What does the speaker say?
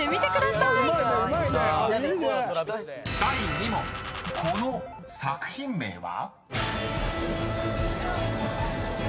［第２問この作品名は？］